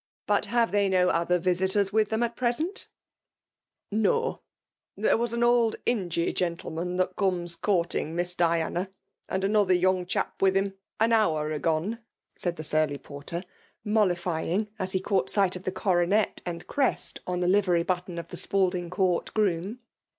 But 258 FSM AI.B BOMIKlTmr. hmye they no other visiters with them at present ?"'' No !— ^There was the old Injee gentiemaii that comes courting Miss Diana, and ainotker young chap with him, an hour agone/* snd the surly porter, mollifying as he caught sight of the coronet and crest on the lirery button of the Spalding Court groom.